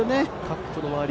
カップの周り